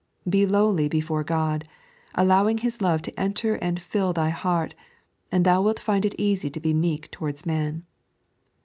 Be lowly before God, allowing His love to enter and fill thy heart, and thou wilt find it easy to be meek towards man.